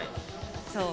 そう。